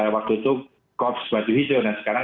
waktu itu korps baju hijau nah sekarang